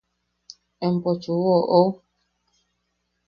¿Empochu oʼou?